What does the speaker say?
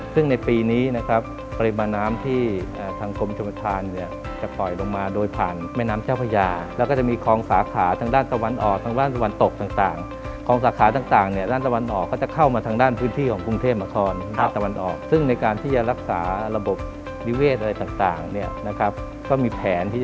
ซึ่งในปีนี้นะครับปริมาณน้ำที่ทางกรมชมธานเนี่ยจะปล่อยลงมาโดยผ่านแม่น้ำเจ้าพญาแล้วก็จะมีคลองสาขาทางด้านตะวันออกทางด้านตะวันตกต่างคลองสาขาต่างเนี่ยด้านตะวันออกก็จะเข้ามาทางด้านพื้นที่ของกรุงเทพมนครด้านตะวันออกซึ่งในการที่จะรักษาระบบนิเวศอะไรต่างเนี่ยนะครับก็มีแผนที่จะ